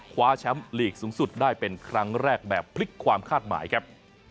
คว้าแชมป์ลีกสูงสุดได้เป็นครั้งแรกแบบพลิกความคาดหมายครับ